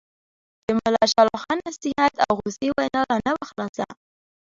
د ملا شال اخُند نصیحت او غوسې وینا لا نه وه خلاصه.